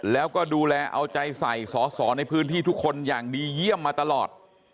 แล้วก็ดูแลเอาใจใส่สอสอในพื้นที่ทุกคนอย่างดีเยี่ยมมาตลอด